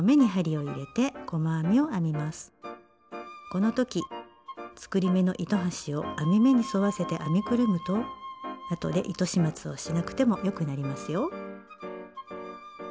この時作り目の糸端を編み目に沿わせて編みくるむとあとで糸始末をしなくてもよくなりますよ。